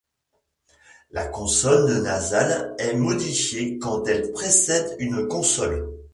La consonne nasale est modifiée quand elle précède une consonne.